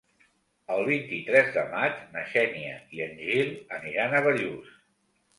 El vint-i-tres de maig na Xènia i en Gil aniran a Bellús.